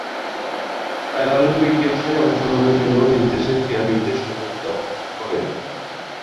Paralympic গেমসে অংশগ্রহণের জন্য নিজ দেশের ক্রীড়াবিদদের সংগঠিত করে।